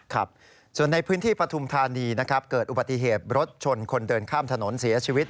ครับส่วนในพื้นที่ปฐุมธานีนะครับเกิดอุบัติเหตุรถชนคนเดินข้ามถนนเสียชีวิต